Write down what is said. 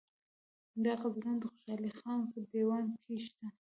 دا غزلونه د خوشحال خان په دېوان کې شته.